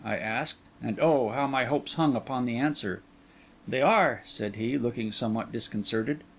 I asked; and oh! how my hopes hung upon the answer! 'They are,' said he, looking somewhat disconcerted.